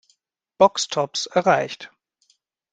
Box Tops erreicht.